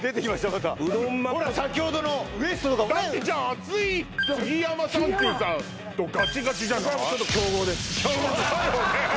この方ほら先ほどのだってじゃあ熱い杉山３９さんとガチガチじゃないだよね